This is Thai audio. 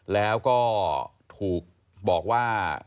แล้วก็ถูกบอกว่า